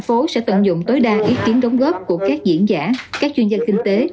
phố sẽ tận dụng tối đa ý kiến đóng góp của các diễn giả các chuyên gia kinh tế